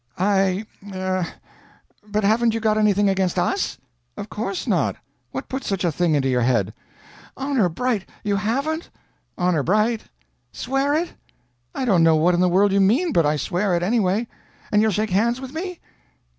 "I er but haven't you got anything against us?" "Of course not. What put such a thing into your head?" "Honor bright you haven't? "Honor bright." "Swear it!" "I don't know what in the world you mean, but I swear it, anyway." "And you'll shake hands with me?"